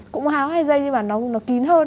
cũng háo hai giây nhưng mà nó kín hơn